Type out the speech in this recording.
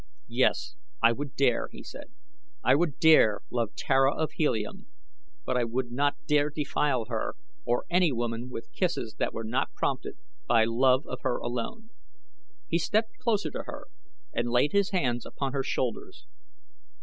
"Yes, I would dare," he said. "I would dare love Tara of Helium; but I would not dare defile her or any woman with kisses that were not prompted by love of her alone." He stepped closer to her and laid his hands upon her shoulders.